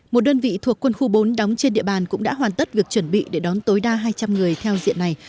một đơn vị thuộc quân khu bốn đóng trên địa bàn cũng đã hoàn tất việc chuẩn bị để đón tối đa hai trăm linh người theo diện này